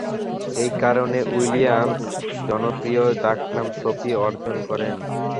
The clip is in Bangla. এই কারণে, উইলিয়ামস জনপ্রিয় ডাকনাম সোপি অর্জন করেন।